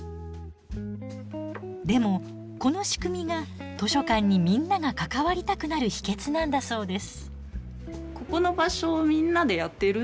でもこの仕組みが図書館にみんなが関わりたくなる秘けつなんだそうです。